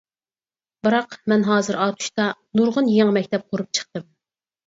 بىراق، مەن ھازىر ئاتۇشتا نۇرغۇن يېڭى مەكتەپ قۇرۇپ چىقتىم.